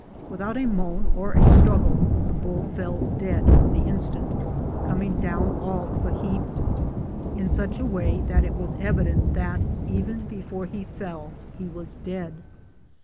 Without a moan or a struggle the bull fell dead on the instant, coming down all of a heap, in such a way that it was evident that even before he fell he was dead.